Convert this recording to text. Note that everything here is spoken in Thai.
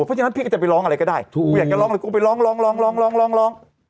เพราะฉะนั้นพี่ก็จะไปร้องอะไรก็ได้ถูกอยากจะร้องอะไรก็ไปร้องลอง